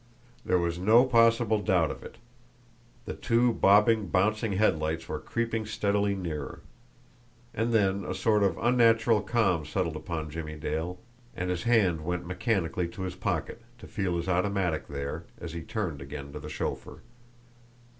There was no possible doubt of it! The two bobbing, bouncing headlights were creeping steadily nearer. And then a sort of unnatural calm settled upon Jimmie Dale, and his hand went mechanically to his pocket to feel his automatic there, as he turned again to the chauffeur.